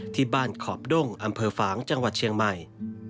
ที่บ้านขอบด้งอำเภอฝางจังหวัดเชียงใหม่